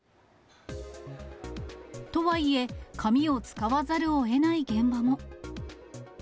とはいえ、紙を使わざるをえない現場も。